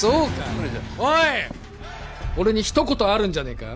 それじゃ俺に一言あるんじゃねえか？